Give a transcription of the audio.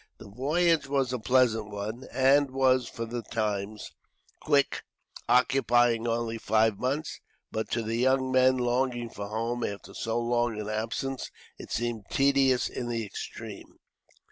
The voyage was a pleasant one, and was, for the times, quick, occupying only five months. But to the young men, longing for home after so long an absence, it seemed tedious in the extreme.